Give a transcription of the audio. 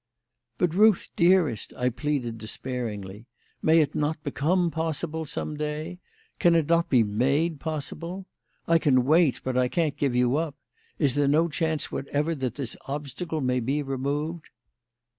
"But, Ruth, dearest," I pleaded despairingly, "may it not become possible some day? Can it not be made possible? I can wait, but I can't give you up. Is there no chance whatever that this obstacle may be removed?"